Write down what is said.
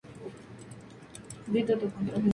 Es la capital del distrito epónimo.